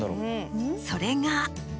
それが。